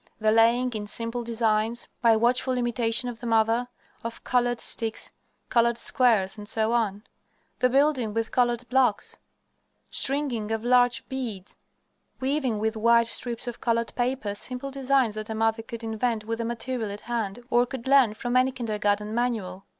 The laying in simple designs, by watchful imitation of the mother, of colored sticks, colored squares, etc.; the building with colored blocks; stringing of large beads; weaving with wide strips of colored paper simple designs that a mother could invent with the material at hand or could learn from any kindergarten manual.